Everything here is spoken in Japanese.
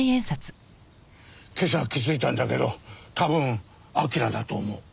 今朝気づいたんだけど多分彬だと思う。